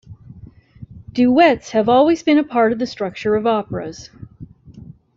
Duets have always been a part of the structure of operas.